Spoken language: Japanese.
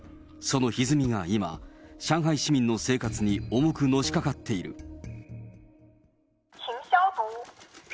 そのひずみが今、上海市民の生活に重くのしかかっている。